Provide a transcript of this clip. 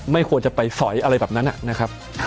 ไม่ควรจะไปสอยอะไรแบบนั้นนะครับ